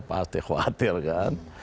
pasti khawatir kan